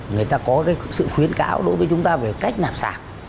người ta có sự khuyến cáo đối với chúng ta về cách nạp sạc